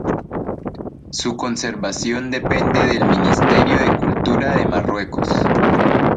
Su conservación depende del Ministerio de Cultura de Marruecos.